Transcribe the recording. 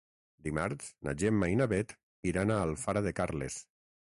Dimarts na Gemma i na Bet iran a Alfara de Carles.